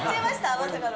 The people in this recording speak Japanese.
まさかの。